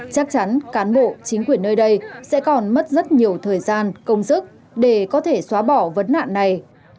chắc chắn cán bộ chính quyền nơi đây sẽ còn mất rất nhiều thời gian công sức để có thể xóa bỏ vấn nạn này